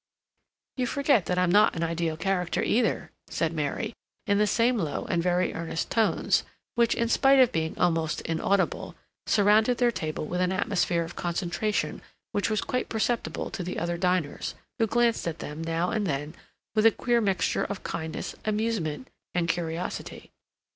"You forget that I'm not an ideal character, either," said Mary, in the same low and very earnest tones, which, in spite of being almost inaudible, surrounded their table with an atmosphere of concentration which was quite perceptible to the other diners, who glanced at them now and then with a queer mixture of kindness, amusement, and curiosity.